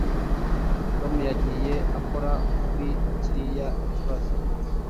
Tom yagiye akora kuri kiriya kibazo